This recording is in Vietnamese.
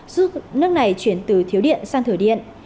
giúp nước này chuyển từ thiếu điện sang thử điện